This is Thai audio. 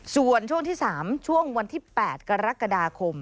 ส่วนช่วงที่๓ช่วงวันที่๘กรกฎาคม